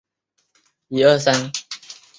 后废广长郡。